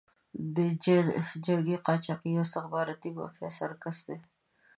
د جنګي قاچاقي او استخباراتي مافیا سرکس دی.